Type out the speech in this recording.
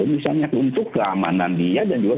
misalnya untuk keamanan dia dan juga